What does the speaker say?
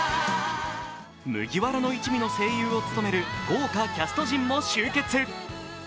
麦わらの一味の声優を務める豪華キャスト陣も集結。